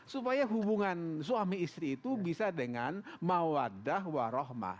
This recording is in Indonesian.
supaya hubungan suami istri itu bisa dengan mawaddah warohmah